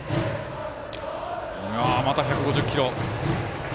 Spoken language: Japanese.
また１５０キロ。